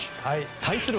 対する